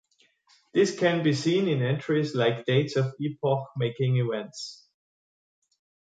This can be seen in entries like Dates of Epoch-Making Events.